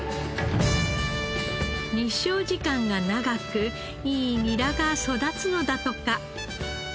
日照時間が長くいいニラが育つのだとか。